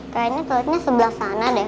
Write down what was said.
kayaknya kulitnya sebelah sana deh